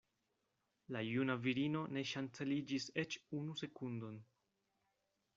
La juna virino ne ŝanceliĝis eĉ unu sekundon.